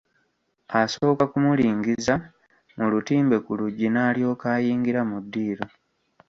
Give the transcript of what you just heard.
Asooka kumulingiriza mu lutimbe ku luggi n'alyoka ayingira mu ddiiro.